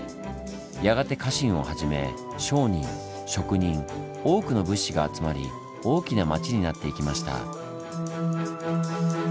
やがて家臣をはじめ商人職人多くの物資が集まり大きな町になっていきました。